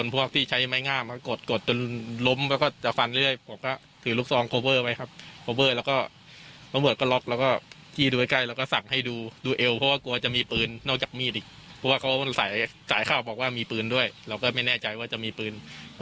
ไปถึงแล้วเป็นยังไงครับบอกเขาก็เอามีดจะฟัน